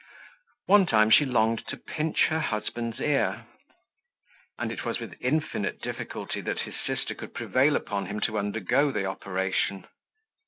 One time she longed to pinch her husband's ear; and it was with infinite difficulty that his sister could prevail upon him to undergo the operation.